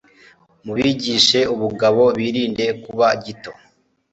mubigishe ubugabo bilinde kuba gito